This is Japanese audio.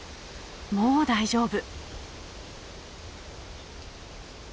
もう大丈夫。